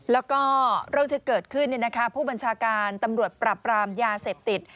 แล้วก็เรื่องที่เกิดขึ้นผู้บัญชาการตำรวจปรับปรามยาเสพติด